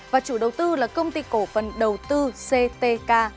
và chủ đầu tư là công ty cổ phần đầu tư ctk